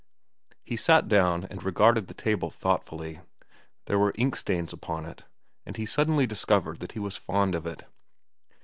He sat down and regarded the table thoughtfully. There were ink stains upon it, and he suddenly discovered that he was fond of it.